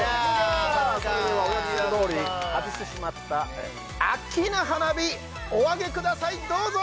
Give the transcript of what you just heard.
さあそれではお約束どおり外してしまったアッキーナ花火お上げくださいどうぞ！